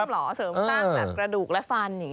มีแคลเซียมเหรอเสริมสร้างหลักกระดูกและฟันอย่างนี้